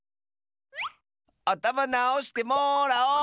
あたまなおしてもらおう！